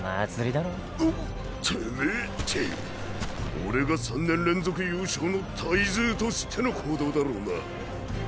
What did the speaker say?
俺が３年連続優勝のタイズーと知っての行動だろうな？